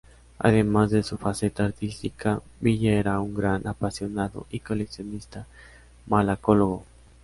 Además de su faceta artística, Villa era un gran apasionado y coleccionista malacólogo.